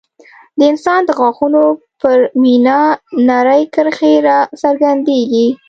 د انسان د غاښونو پر مینا نرۍ کرښې راڅرګندېږي.